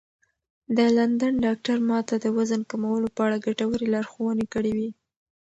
د لندن ډاکتر ما ته د وزن کمولو په اړه ګټورې لارښوونې کړې وې.